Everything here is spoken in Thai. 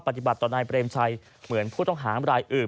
ปฏิบัติต่อนายเปรมชัยเหมือนผู้ต้องหามรายอื่น